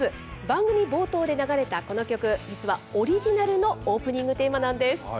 番組冒頭で流れたこの曲実はオリジナルのオープニングテーマなんです。